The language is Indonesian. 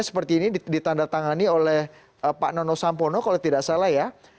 seperti ini ditandatangani oleh pak nono sampono kalau tidak salah ya